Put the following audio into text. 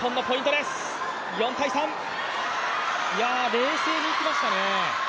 冷静にいきましたね。